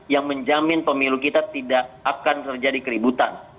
yang menjamin pemilu kita tidak akan terjadi keributan